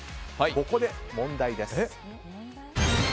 ここで問題です。